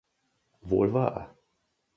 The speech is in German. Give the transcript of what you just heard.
Wohl wahr!